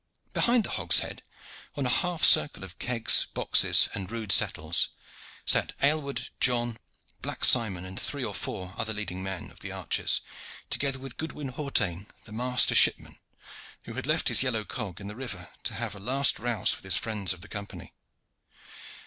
Behind the hogshead, on a half circle of kegs, boxes, and rude settles, sat Aylward, John, Black Simon and three or four other leading men of the archers, together with Goodwin Hawtayne, the master shipman, who had left his yellow cog in the river to have a last rouse with his friends of the Company.